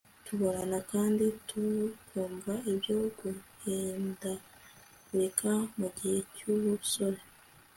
tubona kandi tukumva ibyo guhindagurika mu gihe cy'ubusore